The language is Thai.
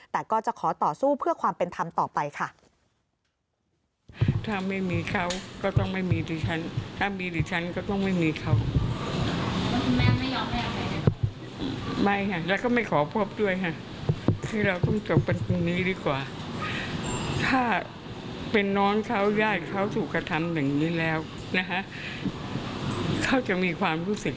แต่ก็จะขอต่อสู้เพื่อความเป็นธรรมต่อไปค่ะ